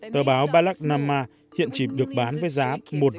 tờ báo balak nama hiện chỉ được bán với giá một đồng